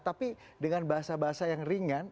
tapi dengan bahasa bahasa yang ringan